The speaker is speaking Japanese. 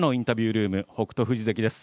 ルーム北勝富士関です。